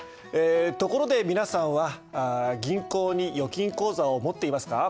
ところで皆さんは銀行に預金口座を持っていますか？